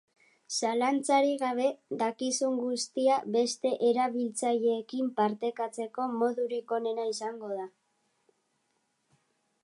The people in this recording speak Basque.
Zalantzarik gabe, dakizun guztia beste erabiltzaileekinpartekatzeko modurik onena izango da.